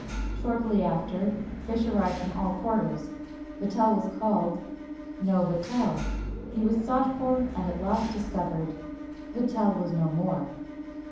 Shortly after, fish arrived from all quarters. Vatel was called no Vatel! He was sought for, and at last discovered Vatel was no more!